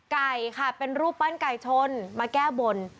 ไก่ค่ะเป็นรูปปั้นไก่ชนมาแก้บน